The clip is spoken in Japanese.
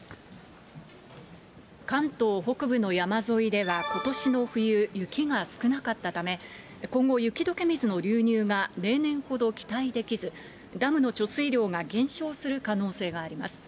関東北部の山沿いでは、ことしの冬、雪が少なかったため、今後雪どけ水の流入が例年ほど期待できず、ダムの貯水量が減少する可能性があります。